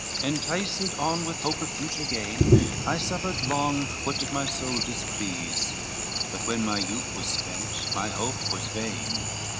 XIII "Enticed on with hope of future gain, I suffered long what did my soul displease; But when my youth was spent, my hope was vain.